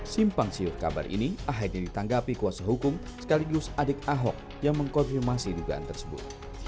simpang siur kabar ini akhirnya ditanggapi kuasa hukum sekaligus adik ahok yang mengkonfirmasi dugaan tersebut